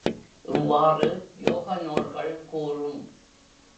இவ்வாறு யோக நூல்கள் கூறும்.